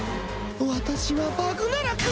私はバグナラク！